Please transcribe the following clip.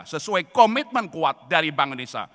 sesuai komitmen kuat dari bank indonesia